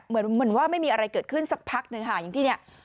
เหมือนว่าไม่มีอะไรเกิดขึ้นสักพักหนึ่งค่ะอย่างที่เนี่ย